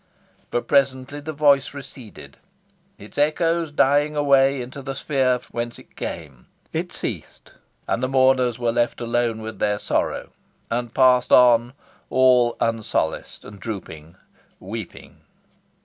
But presently the voice receded, its echoes dying away into the sphere whence it came. It ceased; and the mourners were left alone again with their sorrow, and passed on all unsolaced, and drooping, weeping.